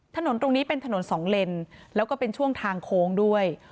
ถนนตรงนี้เป็นถนนสองเลนแล้วก็เป็นช่วงทางโค้งด้วย